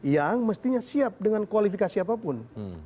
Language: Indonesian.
yang mestinya siap dengan kualifikasi apapun